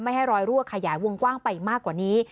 ให้รอยรั่วขยายวงกว้างไปมากกว่านี้